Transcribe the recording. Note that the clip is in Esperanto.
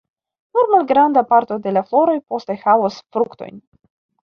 Nur malgranda parto de la floroj poste havos fruktojn.